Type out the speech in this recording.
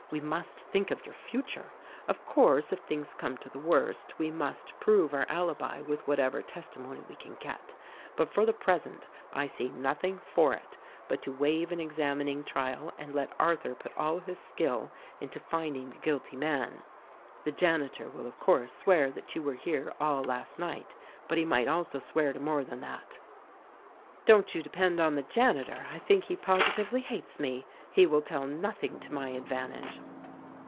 We must think of your future. Of course, if things come to the worst we must prove our alibi with whatever testimony we can get; but for the present I see nothing for it but to waive an examining trial and let Arthur put all his skill into finding the guilty man. The janitor will of course swear that you were here all last^ night ; but he might also swear to more than that." "Don't you depend on the janitor — I think he positively hates me; he will tell nothing to my advantage!"